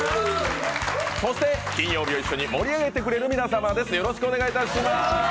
そして金曜日を一緒に盛り上げてくれる皆様です。